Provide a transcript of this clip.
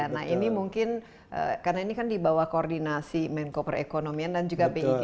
nah ini mungkin karena ini kan dibawa koordinasi menko perekonomian dan juga dig